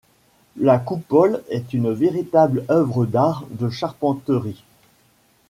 La coupole est une véritable œuvre d'art de charpenterie.